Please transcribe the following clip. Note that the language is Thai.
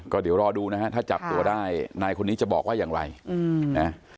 ก็เดี๋ยวรอดูนะฮะถ้าจับตัวได้นายคนนี้จะบอกว่าอย่างไรนะ